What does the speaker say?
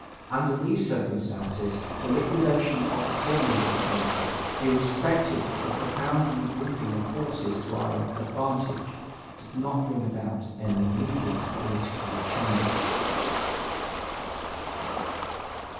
Under these circumstances, the liquidation of the Korniloff adventure, irrespective of the profound regrouping of forces to our advantage, did not bring about any immediate political changes.